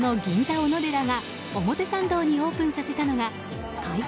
おのでらが表参道にオープンさせたのが廻転